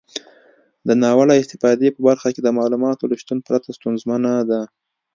د ناوړه استفادې په برخه کې د معلوماتو له شتون پرته ستونزمنه ده.